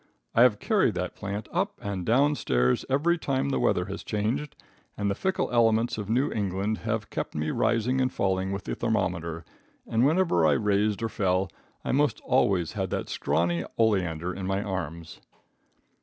I have carried that plant up and down stairs every time the weather has changed, and the fickle elements of New England have kept me rising and falling with the thermometer, and whenever I raised or fell I most always had that scrawny oleander in my arms.